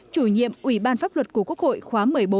chủ nhiệm ủy ban pháp luật của quốc hội khóa một mươi bốn